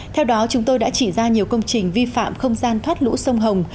theo đó chúng tôi đã chỉ ra nhiều công trình vi phạm không gian thoát lũ sông hồng